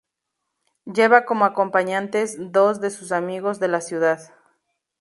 Lleva como acompañantes dos de sus amigos de la ciudad.